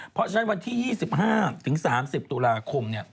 เพราะฉะนั้นวันที่๒๕๓๐ตุลาคม